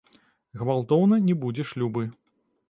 Гвалтоўна не будзеш любы.